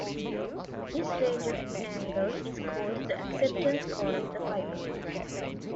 This range of angles is called the acceptance cone of the fiber.